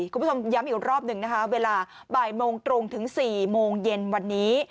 คุณผู้ชมย้ำอีกรอบหนึ่งนะคะเวลาบ่ายโมงตรงถึง๔โมงเย็นวันนี้